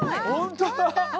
ほんとだ！